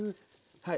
はい。